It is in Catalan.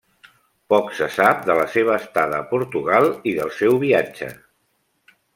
Poc se sap de la seva estada a Portugal i del seu viatge.